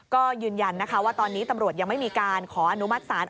ก็ยืนยันนะคะว่าตอนนี้ตำรวจยังไม่มีการขออนุมัติศาล